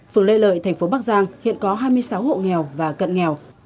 phường lê lợi thành phố bắc giang hiện có hai mươi sáu hộ nghèo và cận nghèo